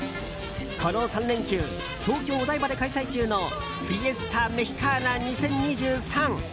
この３連休東京・お台場で開催中のフィエスタ・メヒカーナ２０２３。